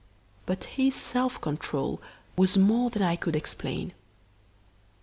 But his self control was more than I could explain.